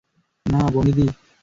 না, বনিদি!